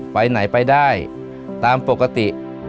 ไปไหนไปได้ตามปกติ